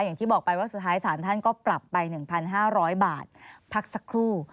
อย่างที่บอกไปว่าสุดท้ายศาลท่านก็ปรับไป๑๕๐๐บาทพักสักครู่